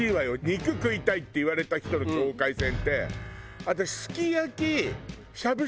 「肉食いたい」って言われた人の境界線って私。